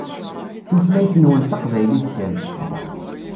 Tulayt-nwen d taqbaylit kan.